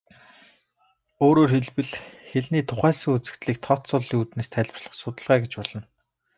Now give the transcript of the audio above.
Өөрөөр хэлбэл, хэлний тухайлсан үзэгдлийг тооцооллын үүднээс тайлбарлах судалгаа гэж болно.